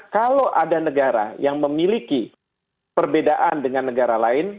kalau ada negara yang memiliki perbedaan dengan negara lain